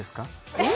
えっ！？